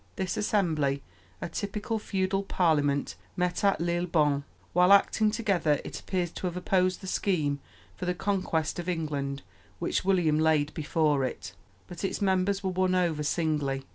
This assembly, a typical feudal parliament, met at Lillebonne. While acting together it appears to have opposed the scheme for the conquest of England which William laid before it, but its members were won over singly.